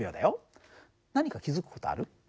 何か気付く事ある？